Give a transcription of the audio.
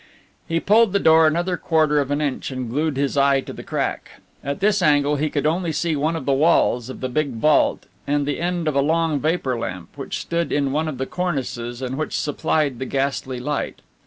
He pulled the door another quarter of an inch and glued his eye to the crack. At this angle he could only see one of the walls of the big vault and the end of a long vapour lamp which stood in one of the cornices and which supplied the ghastly light.